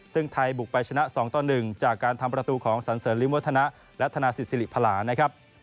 ซึ่งไทยบุกไปชนะ๒ต่อ๑จากการทำประตูของสันเสริมวัฒนะและธนาศิษศิริพลานะครับ